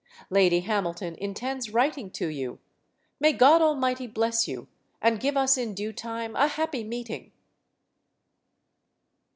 Lady Hamilton intends writ ing to you. May God Almightly bless you, and give us in due time a happy meeting!